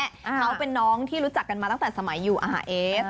เขาเป็นน้องที่รู้จักกันมาตั้งแต่สมัยอยู่อาหารเอส